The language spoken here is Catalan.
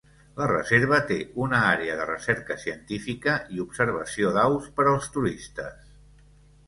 La reserva té una àrea de recerca científica i observació d'aus per als turistes.